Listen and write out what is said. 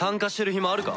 暇あるか？